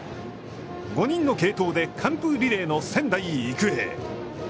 ５人の継投で完封リレーの仙台育英。